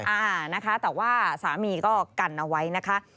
อ่านะคะแต่ว่าสามีก็กันเอาไว้นะคะ